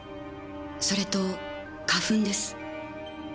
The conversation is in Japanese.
それと花粉です。